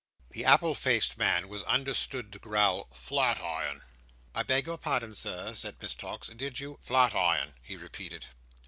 The apple faced man was understood to growl, "Flat iron." "I beg your pardon, Sir," said Miss Tox, "did you—" "Flat iron," he repeated.